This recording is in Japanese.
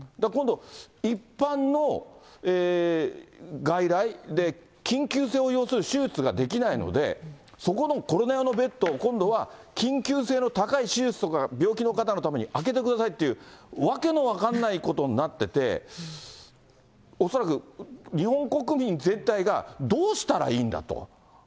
今度、一般の外来で、緊急性を要する手術ができないので、そこのコロナ用のベッドを今度は緊急性の高い手術とか病気の方のために空けてくださいっていう、訳の分かんないことになってて、恐らく、日本国民全体が、どうしたらいいんだと。